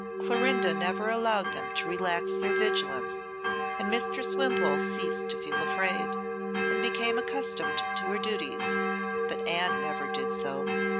Clorinda never allowed them to relax their vigilance, and Mistress Wimpole ceased to feel afraid, and became accustomed to her duties, but Anne never did so.